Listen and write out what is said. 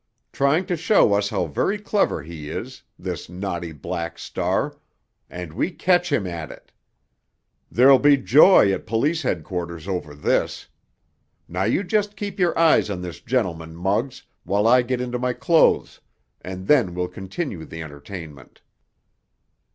Trying to show us how very clever he is, this naughty Black Star, and we catch him at it. There'll be joy at police headquarters over this. Now you just keep your eyes on this gentleman, Muggs, while I get into my clothes, and then we'll continue the entertainment."